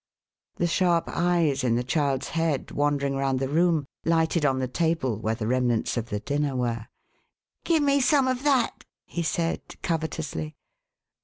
* The sharp eyes in the child's head, wandering round the room, lighted on the table where the remnants of the dinner were. " Give me some of that !" he said, covetously.